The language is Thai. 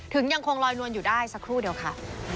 ยังคงลอยนวลอยู่ได้สักครู่เดียวค่ะ